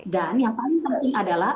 dan yang paling penting adalah